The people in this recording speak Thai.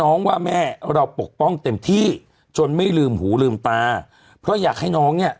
ว่าแม่เราปกป้องเต็มที่จนไม่ลืมหูลืมตาเพราะอยากให้น้องเนี่ย